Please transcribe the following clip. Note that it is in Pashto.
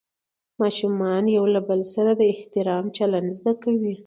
ماشومان له یو بل سره د احترام چلند زده کوي